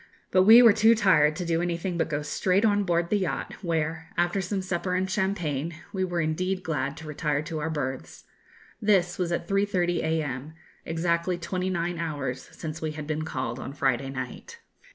But we were too tired to do anything but go straight on board the yacht, where, after some supper and champagne, we were indeed glad to retire to our berths. This was at 3.30 a.m., exactly twenty nine hours since we had been called on Friday night.